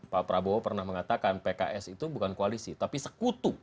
pak prabowo pernah mengatakan pks itu bukan koalisi tapi sekutu